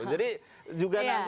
jadi juga nanti